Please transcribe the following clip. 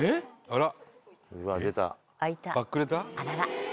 あら。